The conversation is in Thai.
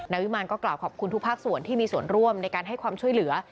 วิมารก็กล่าวขอบคุณทุกภาคส่วนที่มีส่วนร่วมในการให้ความช่วยเหลือ